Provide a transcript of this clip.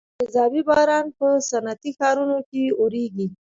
تیزابي باران په صنعتي ښارونو کې اوریږي.